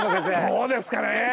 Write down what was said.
どうですかね。